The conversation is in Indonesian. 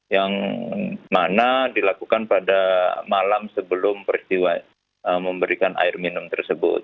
yang mana dilakukan pada malam sebelum peristiwa memberikan air minum tersebut